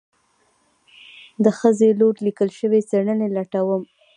د خځې لوري ليکل شوي څېړنې لټوم